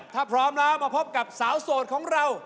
ถ้าพร้อมแล้วมาพบกับสาวโสดของเรา